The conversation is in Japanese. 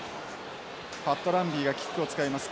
パットランビーがキックを使います。